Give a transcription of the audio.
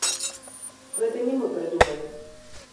Гэта не мы прыдумалі.